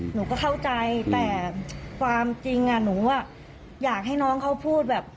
หนูก็เข้าใจแต่ความจริงอ่ะหนูอ่ะอยากให้น้องเขาพูดแบบ